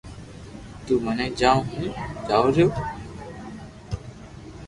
تو متي جا ھون جاو رھيو